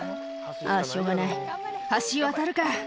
「あぁしょうがない橋渡るか」